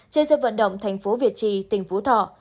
trên sân vận động thành phố việt trì tỉnh phú thọ